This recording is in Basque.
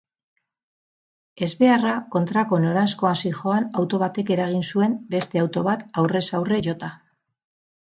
Ezbeharra kontrako noranzkoan zihoan auto batek eragin zuen beste auto bat aurrez-aurre jota.